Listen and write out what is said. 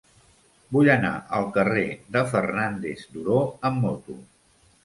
Vull anar al carrer de Fernández Duró amb moto.